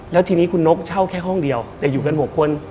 แล้วทีนี้คุณนกเช่าแค่ห้องเดียวแต่อยู่กัน๖คน